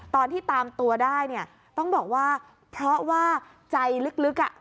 ตอนที่ตามตัวได้เนี่ยต้องบอกว่าเพราะว่าใจลึกอ่ะ